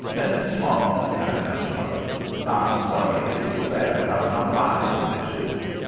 "Mr. Small," stammered Mr. Rogers, "I'm sorry you feel bad about not buying them dishes.